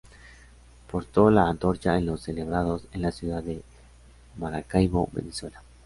Portó la antorcha en los celebrados en la Ciudad de Maracaibo, Venezuela.